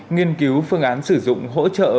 nghiên cứu phương án sử dụng hỗ trợ vốn